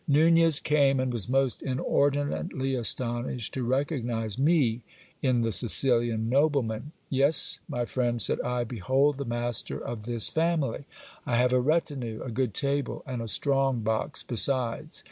Nunez came, and was most inordinately astonished to recognize me in the Sicilian nobleman. Yes, my friend, said I, behold the master of this familv. I have a retinue, a good table, and a strong box besides.